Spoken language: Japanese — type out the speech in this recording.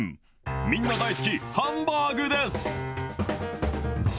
みんな大好き、ハンバーグです。